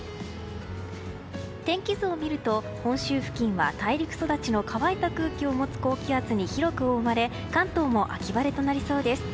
天気図を見ると本州付近は大陸育ちの乾いた空気を持つ高気圧に広く覆われ関東も秋晴れとなりそうです。